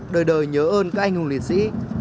đời đời nhớ ơn các anh hùng liệt sĩ